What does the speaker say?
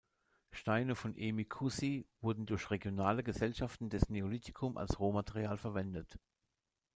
Steine von Emi Koussi wurden durch regionale Gesellschaften des Neolithikum als Rohmaterial verwendet.